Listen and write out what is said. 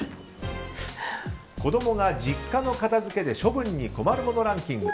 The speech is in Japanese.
子供が実家の片付けで処分に困るものランキング